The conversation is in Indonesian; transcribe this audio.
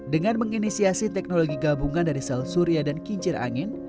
dengan menginisiasi teknologi gabungan dari sel surya dan kincir angin